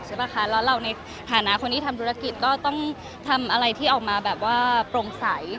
แล้วเราในฐานะคนที่ทำธุรกิจก็ต้องทำอะไรที่ออกมาโปร่งใส